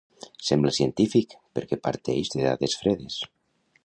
Sembla científic perquè parteix de dades fredes.